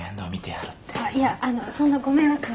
あっいやあのそんなご迷惑は。